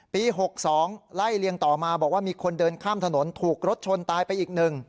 ๖๒ไล่เลียงต่อมาบอกว่ามีคนเดินข้ามถนนถูกรถชนตายไปอีกหนึ่ง